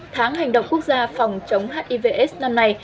tháng hành động quốc gia phòng chống hiv s năm nay